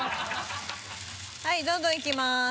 はいどんどんいきます。